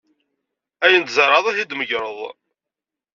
Ayen ay tzerɛed, ad t-tmegred.